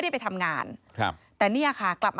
ผมขอโทษครับ